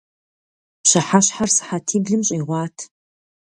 Пщыхьэщхьэр сыхьэтиблым щӀигъуат.